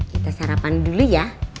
kita sarapan dulu ya